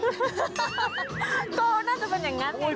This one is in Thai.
โตน่าจะเป็นอย่างนั้นเองคุณชนะ